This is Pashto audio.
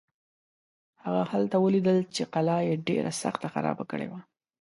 هغه هلته ولیدل چې قلا یې ډېره سخته خرابه کړې.